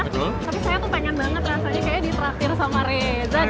tapi saya tuh pengen banget rasanya kayaknya ditraktir sama reza